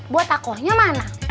buat takohnya mana